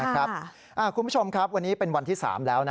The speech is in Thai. คุณผู้ชมครับวันนี้เป็นวันที่๓แล้ว